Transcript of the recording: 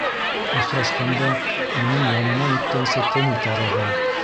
Осрашҡанда уның янынан үткәнсе тыны тарыға.